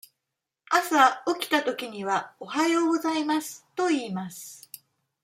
朝起きたときには「おはようございます」と言います。